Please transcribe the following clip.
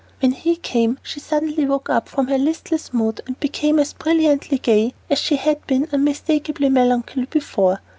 When he came, she suddenly woke up from her listless mood and became as brilliantly gay as she had been unmistakably melancholy before.